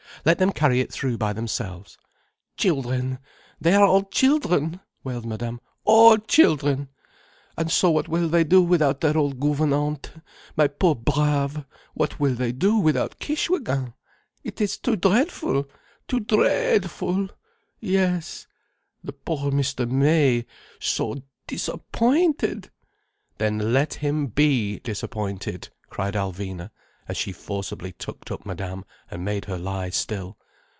Let them carry it through by themselves." "Children—they are all children!" wailed Madame. "All children! And so, what will they do without their old gouvernante? My poor braves, what will they do without Kishwégin? It is too dreadful, too dre eadful, yes. The poor Mr. May—so disappointed." "Then let him be disappointed," cried Alvina, as she forcibly tucked up Madame and made her lie still.